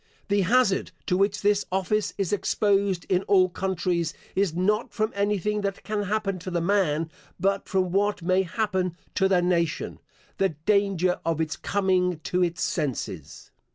The hazard to which this office is exposed in all countries, is not from anything that can happen to the man, but from what may happen to the nation the danger of its coming to its senses.